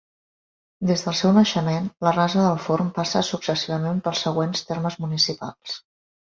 Des del seu naixement, la Rasa del Forn passa successivament pels següents termes municipals.